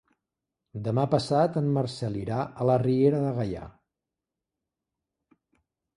Demà passat en Marcel irà a la Riera de Gaià.